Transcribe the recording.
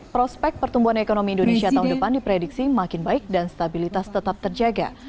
prospek pertumbuhan ekonomi indonesia tahun depan diprediksi makin baik dan stabilitas tetap terjaga